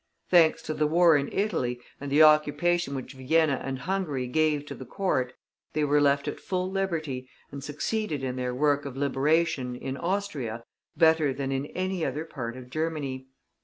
Thanks to the war in Italy, and the occupation which Vienna and Hungary gave to the Court, they were left at full liberty, and succeeded in their work of liberation, in Austria, better than in any other part of Germany.